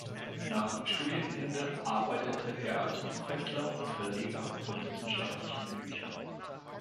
Nach Studienende arbeitete er als Buchhändler und Verleger von wissenschaftlichen Büchern.